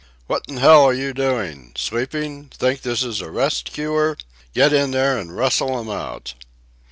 "What in hell are you doing? Sleeping? Think this is a rest cure? Get in there an' rustle 'em out!"